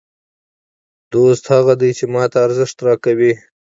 دوست هغه دئ، چي ما ته ارزښت راکوي.